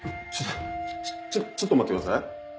ちょっちょっと待ってください。